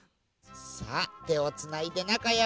さあてをつないでなかよく。